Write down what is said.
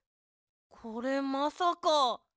これまさか。